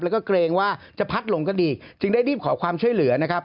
แล้วก็เกรงว่าจะพัดลงก็ดีจึงได้รีบขอความช่วยเหลือนะครับ